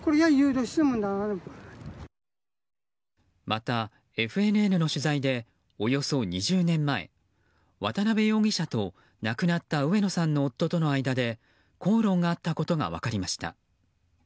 またＦＮＮの取材でおよそ２０年前渡部容疑者と亡くなった上野さんの夫との間で口論があったことが分かりました。